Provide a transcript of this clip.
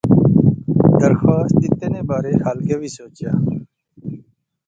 درخواست دتے نے بارے وچ خالقے وی سوچیا